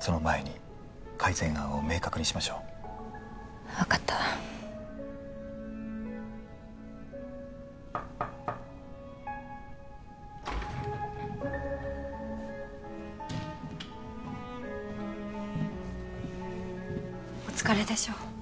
その前に改善案を明確にしましょう分かったお疲れでしょう